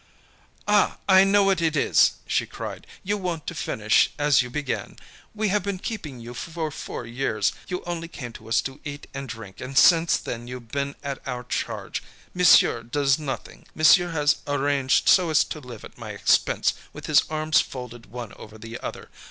"Ah! I know what it is," she cried, "you want to finish as you began. We have been keeping you for four years. You only came to us to eat and drink, and since then you've been at our charge. Monsieur does nothing, Monsieur has arranged so as to live at my expense with his arms folded one over the other.